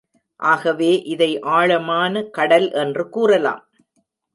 ஆகவே, இதை ஆழமான கடல் என்று கூறலாம்.